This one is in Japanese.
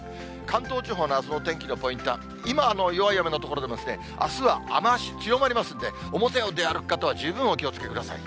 関東地方のあすのお天気のポイントは、今は弱い雨の所でもあすは雨足強まりますので、表を出歩く方は十分お気をつけください。